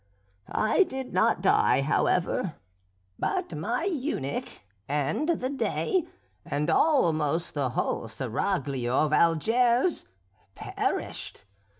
I did not die, however, but my eunuch, and the Dey, and almost the whole seraglio of Algiers perished.